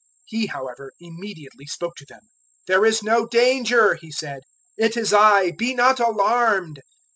He, however, immediately spoke to them. "There is no danger," He said; "it is I; be not alarmed."